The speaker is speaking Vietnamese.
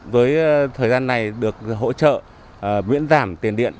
với thời gian này được hỗ trợ miễn giảm tiền điện